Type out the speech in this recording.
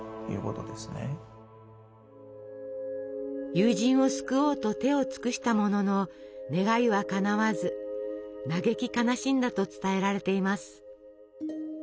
友人を救おうと手を尽くしたものの願いはかなわず嘆き悲しんだと伝えられています。